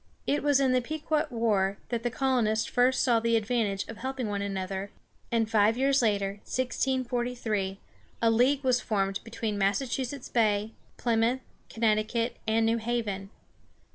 It was in the Pequot war that the colonies first saw the advantage of helping one another, and five years later (1643) a league was formed between Massachusetts Bay, Plymouth, Connecticut, and New Haven.